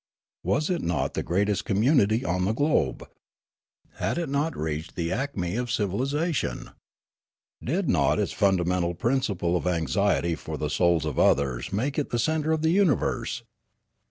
Was it not the greatest communit}^ on the globe ? Had it not reached the acme of civilisation ? Did not its fundamental principle of anxiety for the souls of others make it the centre of the universe